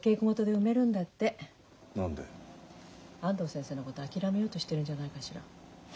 安藤先生のこと諦めようとしてるんじゃないかしら。